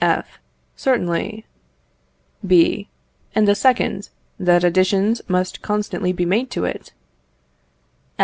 F. Certainly. B. And the second, that additions must constantly be made to it?